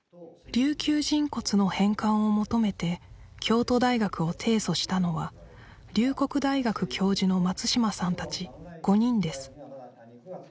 琉球人骨の返還を求めて京都大学を提訴したのは龍谷大学教授の松島さん達５人です